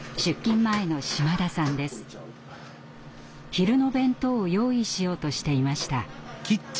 昼の弁当を用意しようとしていました。